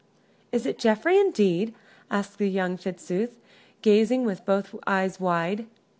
"Is it Geoffrey, indeed?" asked young Fitzooth, gazing with both eyes wide.